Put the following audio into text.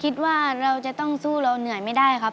คิดว่าเราจะต้องสู้เราเหนื่อยไม่ได้ครับ